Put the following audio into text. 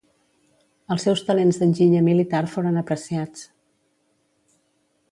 Els seus talents d'enginyer militar foren apreciats.